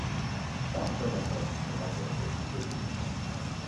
I can't throw myself into an object so completely without expense.